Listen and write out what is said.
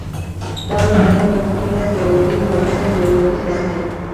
دغه ډول بنسټونه بېوزله هېوادونه بېوزله ساتي.